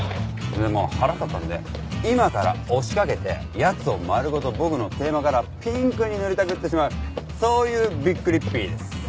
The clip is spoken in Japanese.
でもう腹立ったんで今から押しかけて奴を丸ごと僕のテーマカラーピンクに塗りたくってしまうそういうびっくりッピーです。